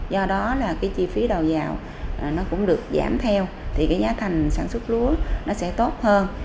do đó là cái chi phí đầu giàu nó cũng được giảm theo thì cái giá thành sản xuất lúa nó sẽ tốt hơn